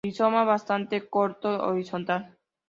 Rizoma bastante corto, horizontal.